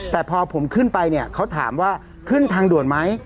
แต่พอผมขึ้นไปเนี่ยเขาถามว่าขึ้นทางด่วนไหม